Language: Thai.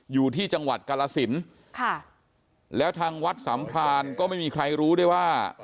อยู่ที่จังหวัดกาลสินค่ะแล้วทางวัดสัมพรานก็ไม่มีใครรู้ได้ว่า